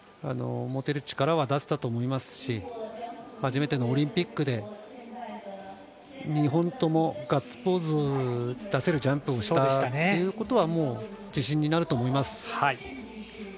持てる力は出せたと思いますし初めてのオリンピックで２本ともガッツポーズを出せるジャンプをしたということはもう、自信になると思います。